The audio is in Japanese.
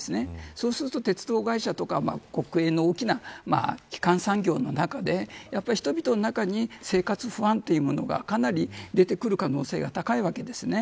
そうすると鉄道会社とか国営の大きな基幹産業の中で人々の中に生活不安というものがかなり出てくる可能性が高いわけです。